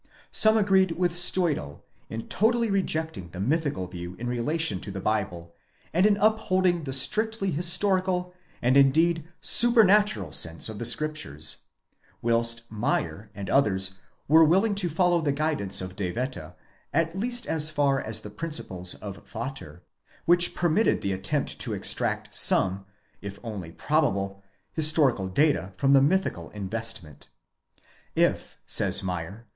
Some agreed with Steudel in totally rejecting the mythical view in relation to the Bible, and in upholding the strictly historical and indeed supranatural sense of the Scriptures: whilst Meyer and others were willing to follow the guidance of De Wette, at least as far as the principles of Vater, which permitted the attempt to' extract some, if only probable, historical data from the mythical investment. If, says Meyer?